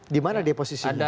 di mana dia posisinya